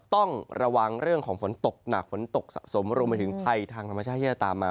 ต้องระวังเรื่องของฝนตกหนักฝนตกสะสมรวมไปถึงภัยทางธรรมชาติที่จะตามมา